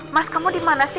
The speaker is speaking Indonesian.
mas kamu dimana sih